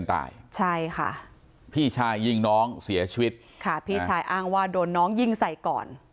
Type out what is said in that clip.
ค่ะพี่ชายอ้างว่าโดนน้องยิงใส่ก่อน